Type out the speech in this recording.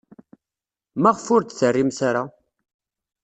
Maɣef ur d-terrimt ara?